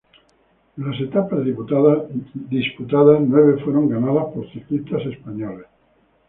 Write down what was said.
De las etapas disputadas, nueve fueron ganadas por ciclistas españoles.